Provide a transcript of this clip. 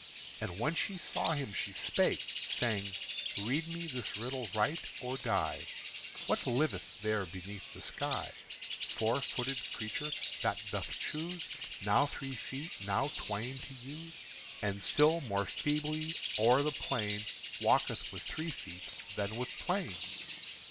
And when she saw him she spake, saying: "Read me this riddle right, or die: What liveth there beneath the sky, Four footed creature that doth choose Now three feet and now twain to use, And still more feebly o'er the plain Walketh with three feet than with twain?"